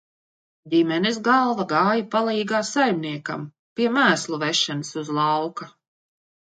Ģimenes galva gāja palīgā saimniekam, pie mēslu vešanas uz lauka.